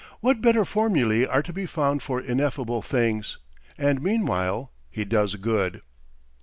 What better formulae are to be found for ineffable things? And meanwhile he does good.